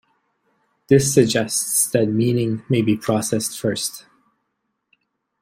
This suggests that meaning may be processed first.